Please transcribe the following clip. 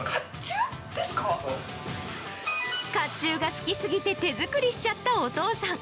かっちゅうが好きすぎて手作りしちゃったお父さん。